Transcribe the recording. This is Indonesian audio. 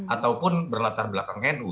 ataupun berlatar belakang nu